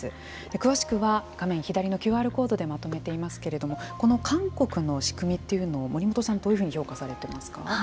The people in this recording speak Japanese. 詳しくは画面左のＱＲコードでまとめていますけれどもこの韓国の仕組みというのを森本さんはどういうふうに評価されていますか。